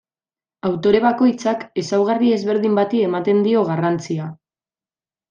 Autore bakoitzak ezaugarri ezberdin bati ematen dio garrantzia.